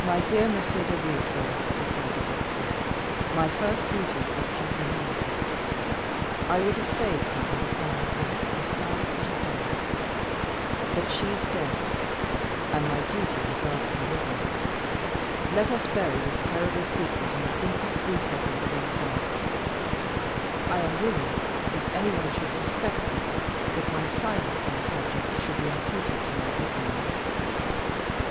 "My dear M. de Villefort," replied the doctor, "my first duty is to humanity. I would have saved Madame de Saint Méran, if science could have done it; but she is dead and my duty regards the living. Let us bury this terrible secret in the deepest recesses of our hearts; I am willing, if anyone should suspect this, that my silence on the subject should be imputed to my ignorance.